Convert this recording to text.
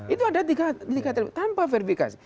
itu ada tiga t tanpa verifikasi